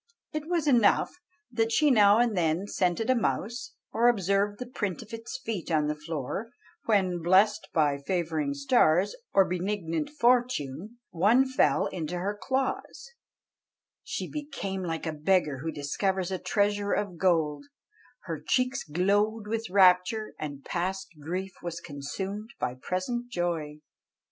It was enough that she now and then scented a mouse, or observed the print of its feet on the floor; when, blessed by favouring stars or benignant fortune, one fell into her claws "She became like a beggar who discovers a treasure of gold; Her cheeks glowed with rapture, and past grief was consumed by present joy."